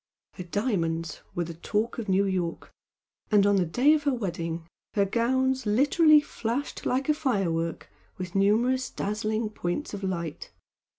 Her diamonds were the talk of New York, and on the day of her wedding her gowns literally flashed like a firework with numerous dazzling points of light.